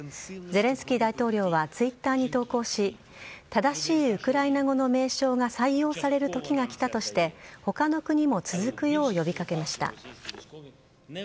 ゼレンスキー大統領はＴｗｉｔｔｅｒに投稿し正しいウクライナ語の名称が採用されるときが来たとして他の国も続くよう呼び掛けました。